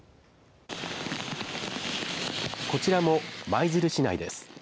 こちらも舞鶴市内です。